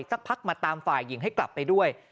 สักพักมาตามฝ่ายหญิงให้กลับไปด้วย